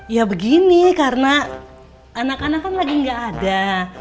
yah begini karena anak anak kan lagi gak ada